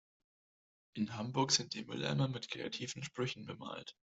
In Hamburg sind die Mülleimer mit kreativen Sprüchen bemalt.